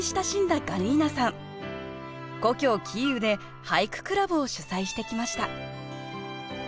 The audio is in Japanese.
故郷キーウで俳句クラブを主宰してきました